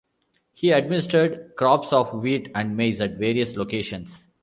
He administered crops of wheat and maize at various locations.